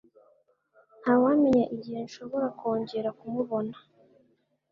Ntawamenya igihe nshobora kongera kumubona.